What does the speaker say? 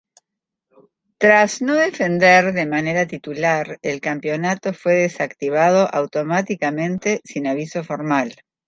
Tras no defender de manera titular, el campeonato fue desactivado automáticamente sin aviso formal.